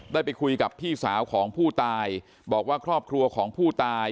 ได้ไปคุยกับพี่สาวของผู้ตายบอกว่าครอบครัวของผู้ตาย